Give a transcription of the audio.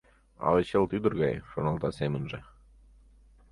«Але чылт ӱдыр гай», — шоналта семынже.